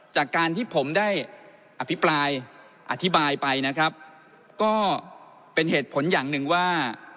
จากการที่ผมได้อภิปรายอธิบายไปนะครับก็เป็นเหตุผลอย่างหนึ่งว่า